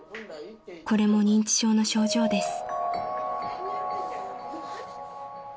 ［これも認知症の症状です］